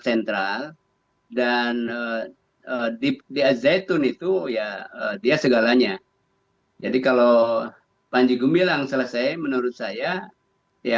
sentral dan dipdh tun itu ya dia segalanya jadi kalau panji gumilang selesai menurut saya ya